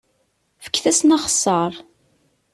Fket-asen axeṣṣar!